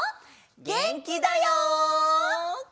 げんきだよ！